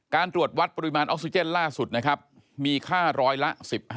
การตรวจวัดปริมาณออกซิเจนล่าสุดนะครับมีค่าร้อยละ๑๕